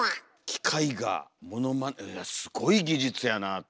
機械がモノマネすごい技術やなあと。